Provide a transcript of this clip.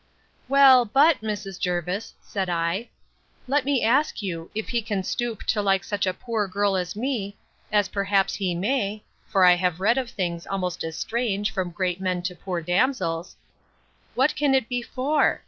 Well, but, Mrs. Jervis, said I, let me ask you, if he can stoop to like such a poor girl as me, as perhaps he may, (for I have read of things almost as strange, from great men to poor damsels,) What can it be for?